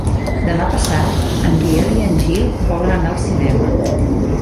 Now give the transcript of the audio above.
Demà passat en Biel i en Gil volen anar al cinema.